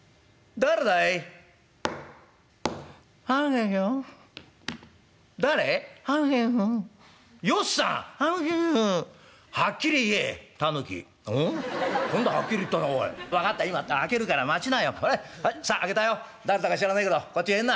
誰だか知らねえけどこっち入んな。